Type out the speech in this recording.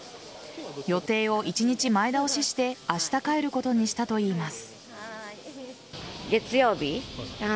予定を１日前倒しして明日から帰ることにしたといいます。